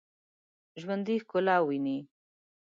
ژوندي ښکلا ویني